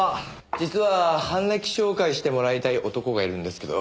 実は犯歴照会してもらいたい男がいるんですけど。